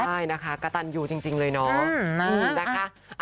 ใช่นะคะกระตันยูจริงเลยเนาะนะคะ